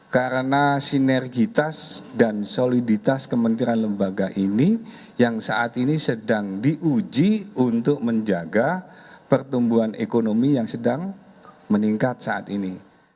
karena sinergitas dan soliditas kementerian lembaga ini yang saat ini sedang diuji untuk menjaga pertumbuhan ekonomi yang sedang meningkat saat ini